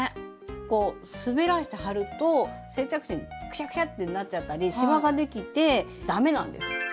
こう滑らして貼ると接着芯クシャクシャってなっちゃったりシワができてだめなんです。